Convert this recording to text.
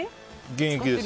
現役です。